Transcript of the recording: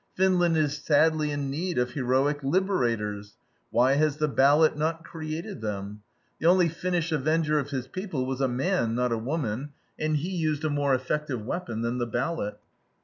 Finland is sadly in need of heroic liberators. Why has the ballot not created them? The only Finnish avenger of his people was a man, not a woman, and he used a more effective weapon than the ballot.